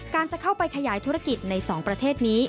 จะเข้าไปขยายธุรกิจใน๒ประเทศนี้